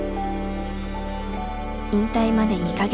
引退まで２か月。